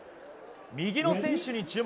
右の選手に注目。